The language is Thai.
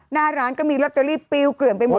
หน้าร้านก็มีลอตเตอรี่ปิวเกลื่อนไปหมด